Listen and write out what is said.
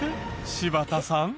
柴田さん。